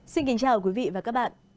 xin kính chào quý vị và các bạn